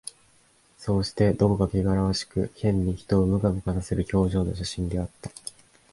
そうして、どこかけがらわしく、変に人をムカムカさせる表情の写真であった